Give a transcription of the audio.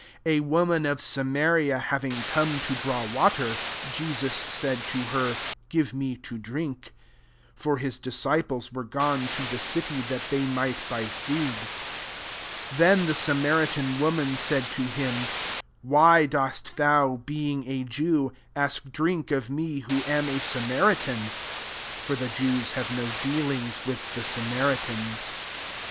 7 A woman of Samaria hav ing come to draw water, Je sus said to her, •• Give me to drink." 8 (For his disciples were gone to the city, that they might buy food.) 9 Then the Samaritan wo man said to him, « Why dost thou, being a Jew, ask drink of mcj who am a Samaritan ?" (for the Jews Imve no dealings with the Samaritans.)